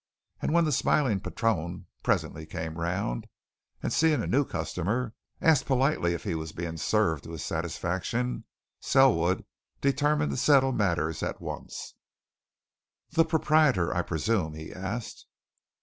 And when the smiling patron presently came round, and, seeing a new customer, asked politely if he was being served to his satisfaction, Selwood determined to settle matters at once. "The proprietor, I presume?" he asked.